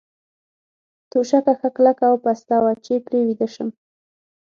توشکه ښه کلکه او پسته وه، چې پرې ویده شم.